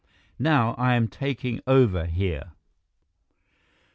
Now, I am taking over here!"